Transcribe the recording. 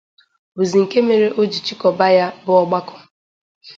bụzị nke mere o ji chịkọba ya bụ ọgbakọ